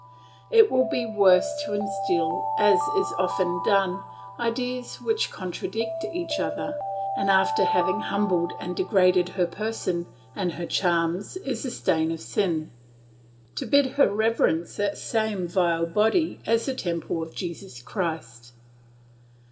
It will be worse to instil, as is often done, ideas which contradict each other, and after having humbled and degraded her person and her charms as the stain of sin, to bid her reverence that same vile body as the temple of Jesus Christ.